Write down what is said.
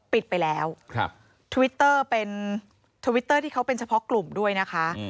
ปิดไปแล้วครับทวิตเตอร์เป็นเขาเป็นเฉพาะกลุ่มด้วยนะคะ